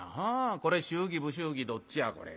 これ祝儀不祝儀どっちやこれ。